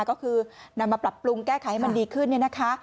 ก็คือนำมาปรับปรุงแก้ไขให้มันดีขึ้นเนี่ยนะคะ